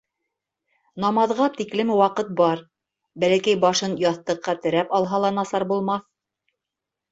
Намаҙға тиклем ваҡыт бар, бәләкәй башын яҫтыҡҡа терәп алһа ла насар булмаҫ...